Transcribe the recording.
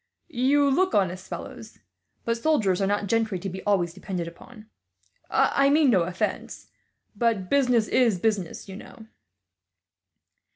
"You look honest fellows, but soldiers are not gentry to be always depended upon. I mean no offence, but business is business, you know."